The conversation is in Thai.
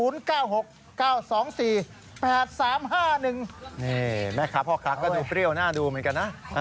นี่แม่ค้าพ่อค้าก็ดูเปรี้ยวหน้าดูเหมือนกันนะ